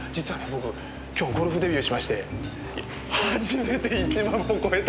僕今日ゴルフデビューしまして初めて１万歩超えたんですよ！